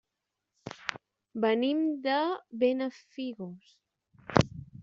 Venim de Benafigos.